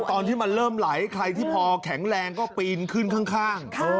ตอนที่มันเริ่มไหลใครที่พอแข็งแรงก็ปีนขึ้นข้าง